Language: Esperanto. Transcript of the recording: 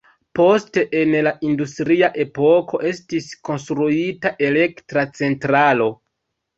Poste en la industria epoko estis konstruita elektra centralo.